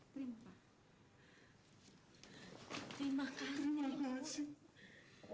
terima kasih ibu